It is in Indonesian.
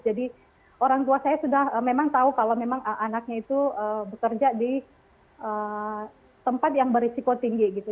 jadi orang tua saya sudah memang tahu kalau memang anaknya itu bekerja di tempat yang beresiko tinggi gitu